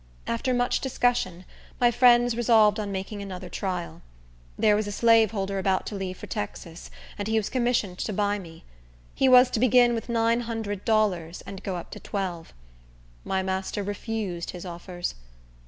After much discussion, my friends resolved on making another trial. There was a slaveholder about to leave for Texas, and he was commissioned to buy me. He was to begin with nine hundred dollars, and go up to twelve. My master refused his offers.